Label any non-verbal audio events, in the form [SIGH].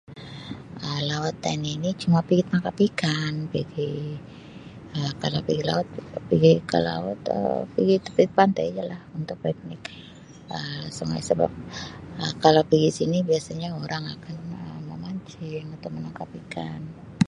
Um Lawatan ini cuma pigi tangkap ikan, pigi [Um]kalau pigi laut, pigi kelaut tu pigi tepi pantai ja lah untuk piknik. [UNINTELLIGIBLE] Kalau pigi sini orang pigi memancing atau menangkap ikan.